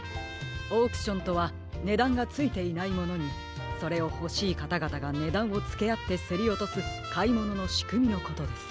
オークションとはねだんがついていないものにそれをほしいかたがたがねだんをつけあってせりおとすかいもののしくみのことです。